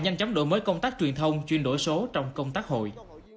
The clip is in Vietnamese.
nhanh chóng đổi mới công tác truyền thông chuyên đổi số trong công tác hội